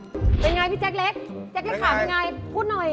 เป็นอย่างไรพี่แจ๊กเล็ก